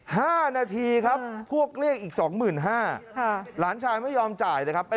ห้านาทีครับพวกเรียกอีกสองหมื่นห้าค่ะหลานชายไม่ยอมจ่ายนะครับ